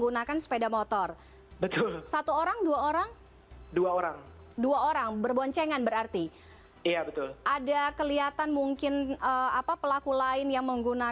nah itu penting